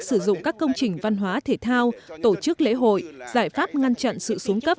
sử dụng các công trình văn hóa thể thao tổ chức lễ hội giải pháp ngăn chặn sự xuống cấp